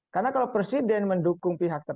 karena kalau presiden mendukung tidak ada keadilan